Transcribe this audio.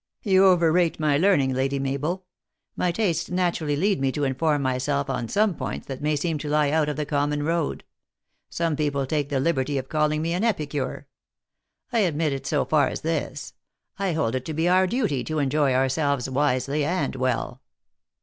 " You overrate my learning, Lady Mabel ; my tastes naturally lead me to inform myself on some points THE ACTRESS IN HIGH LIFE. 37 that may seem to lie out of the common road. Some people take the liberty of calling me an epicure. I admit it so far as this : I hold it to be our duty to en joy ourselves wisely and well.